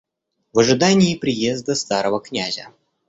В ожидании приезда старого князя.